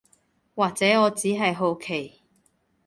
或者我只係好奇